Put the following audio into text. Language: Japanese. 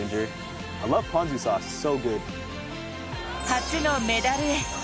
初のメダルへ。